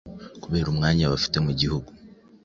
kubera umwanya bafite mu gihugu